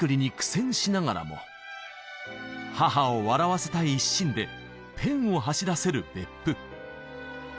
母を笑わせたい一心でペンを走らせる別府